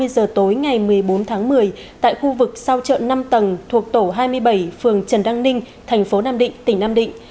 giờ tối ngày một mươi bốn tháng một mươi tại khu vực sao trợn năm tầng thuộc tổ hai mươi bảy phường trần đăng ninh thành phố nam định tỉnh nam định